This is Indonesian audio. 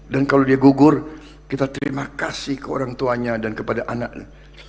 dan kalau dia gugur kita terima kasih ke orang tuanya dan kepada anaknya